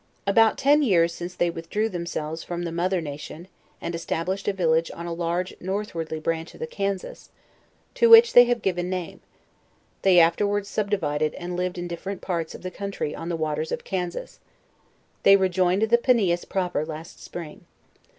About ten years since they withdrew themselves from the mother naiton, and established a village on a large northwardly branch of the Kansas, to which they have given name; they afterwards subdivided and lived in different parts of the country on the waters of Kansas, they rejoined the Panias Proper last spring.